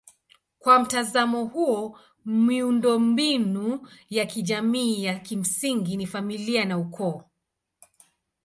Kwa mtazamo huo miundombinu ya kijamii ya kimsingi ni familia na ukoo.